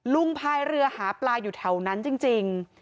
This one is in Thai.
ลุงพายเรือหาปลาอยู่เท่านั้นจริง